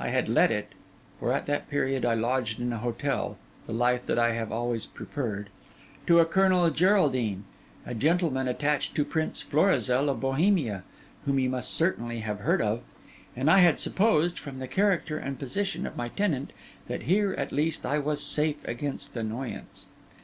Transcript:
I had let it (for at that period I lodged in a hotel, the life that I have always preferred) to a Colonel Geraldine, a gentleman attached to Prince Florizel of Bohemia, whom you must certainly have heard of; and I had supposed, from the character and position of my tenant, that here, at least, I was safe against annoyance.